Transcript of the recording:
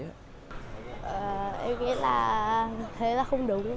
em nghĩ là thế là không đúng